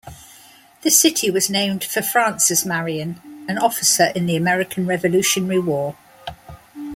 The city was named for Francis Marion, an officer in the American Revolutionary War.